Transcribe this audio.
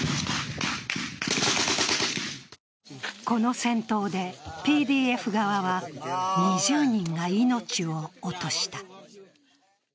この戦闘で、ＰＤＦ側は２０人が命を落とした。